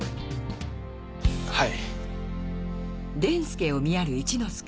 はい。